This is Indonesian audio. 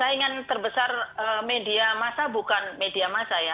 ya saingan terbesar media masa bukan media masa ya